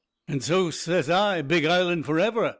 "An' so says I Big Island for ever!"